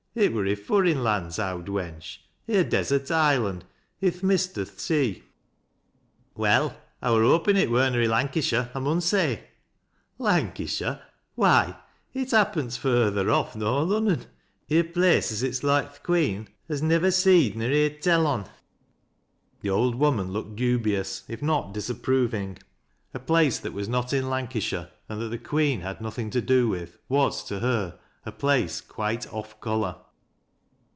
It wur i' f urriu lauds, owd weiich, i' a desert island i' th' midst o' th' sea." " Well, I wur hopin' it wur na i' Lancashire, I nSun sayl" " Lancashire ! Why, it happent further off nor Lunnon, i' a pi ice as it's loike th' Queen has nivver seed nor heerd tell cu." The old woman looked dubious, if not disapproving t place that was net in Lancashire, and that the Queer hal nothing to do with, was, to her, a place quite "ofl color."